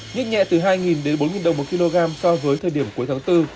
nhích nhẹ từ hai đến bốn đồng một kg so với thời điểm cuối tháng bốn